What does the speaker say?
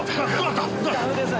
ダメです。